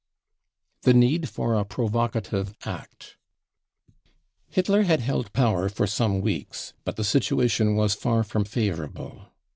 The Need for a Provocative Act. Hitler had held power for some weeks, but the situation was far from favourable.